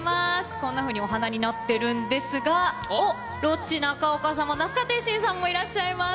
こんなふうにお花になってるんですが、おっ、ロッチ・中岡さんや那須川天心さんもいらっしゃいます。